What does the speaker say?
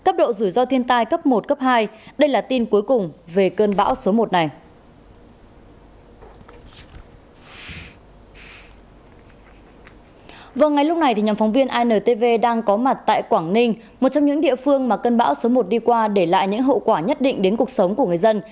một trong những địa phương mà cơn bão số một đi qua để lại những hậu quả nhất định đến cuộc sống của người dân